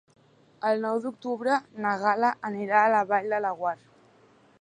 El nou d'octubre na Gal·la anirà a la Vall de Laguar.